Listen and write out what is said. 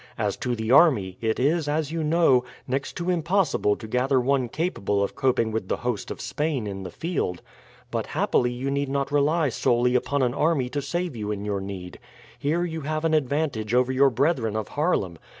As to the army, it is, as you know, next to impossible to gather one capable of coping with the host of Spain in the field; but happily you need not rely solely upon an army to save you in your need. Here you have an advantage over your brethren of Haarlem.